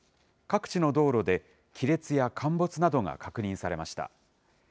各地の道路で、亀裂や陥没などが確認されました。